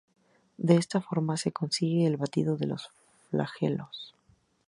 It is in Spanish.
De esta forma se consigue el batido de los flagelos.